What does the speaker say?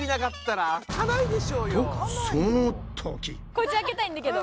こじあけたいんだけど。